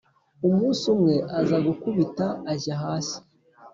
Umunsi umwe aza gukubita ajya hasi,